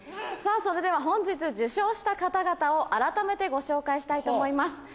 それでは本日受賞した方々を改めてご紹介したいと思います。